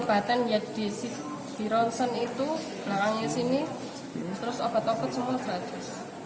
kerja berhasil tidak terjadi dengan restaurant